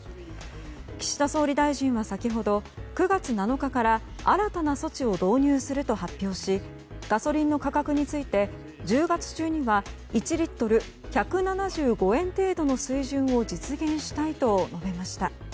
岸田総理大臣は先ほど９月７日から新たな措置を導入すると発表しガソリンの価格について１０月中には１リットル１７５円程度の水準を実現したいと述べました。